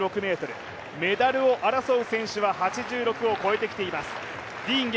メダルを目指す選手は８６を越えてきています。